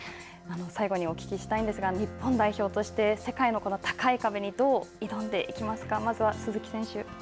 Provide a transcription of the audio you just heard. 最後にお聞きしたいんですが、日本代表として世界の高い壁にどう挑んでいきますか。